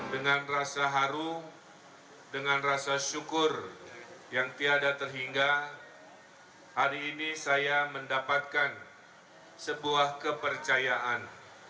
dengan rasa haru dengan rasa syukur yang tiada terhingga hari ini saya mendapatkan sebuah kepercayaan